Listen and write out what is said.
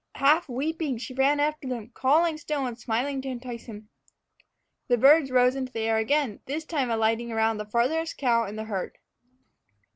Half weeping, she ran after them, calling still, and smiling to entice him. The birds rose into the air again, this time alighting around the farthest cow in the herd.